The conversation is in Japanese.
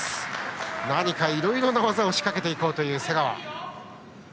何かいろいろな技を仕掛けていこうという瀬川。